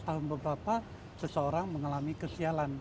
tahun beberapa seseorang mengalami kesialan